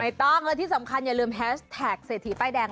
ถูกต้องและที่สำคัญอย่าลืมแฮชแท็กเศรษฐีป้ายแดง